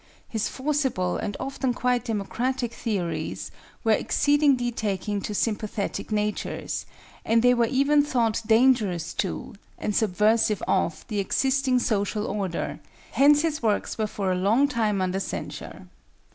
His forcible and often quite democratic theories were exceedingly taking to sympathetic natures, and they were even thought dangerous to, and subversive of, the existing social order, hence his works were for a long time under censure.